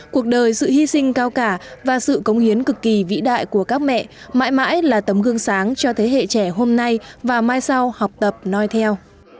cuộc đời sự hy sinh cao cả và sự cống hiến cực kỳ vĩ đại của các mẹ mãi mãi là tấm gương sáng cho thế hệ trẻ hôm nay và mai sau học tập nói theo